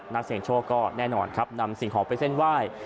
นักเสียงโชคก็แน่นอนครับนำสิ่งของไปเส้นไหว้